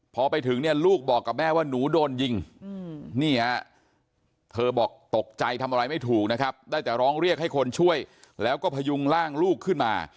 พอไปถึงเนี่ยลูกบอกกับแม่ว่าหนูโดนยิงนี่ฮะเธอบอกตกใจทำอะไรไม่ถูกนะครับได้แต่ร้องเรียกให้คนช่วยแล้วก็พยุงร่างลูกขึ้นมา